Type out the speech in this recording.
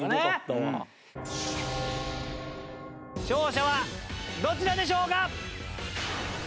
勝者はどちらでしょうか？